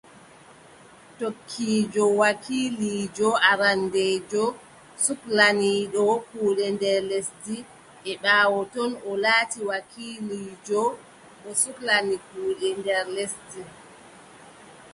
Tokkiijo wakiiliijo arandeejo suklaniiɗo kuuɗe nder lesdi, e ɓaawo ton, o laati wakiiliijo mo suklani kuuɗe nder lesdi .